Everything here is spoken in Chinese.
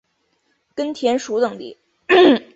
根田鼠等地。